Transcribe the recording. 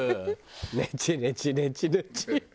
ネチネチネチネチ。